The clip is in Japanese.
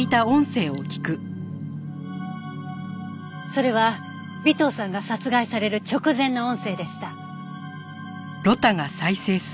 それは尾藤さんが殺害される直前の音声でした。